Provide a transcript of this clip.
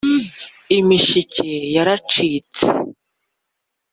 imishike yaracitse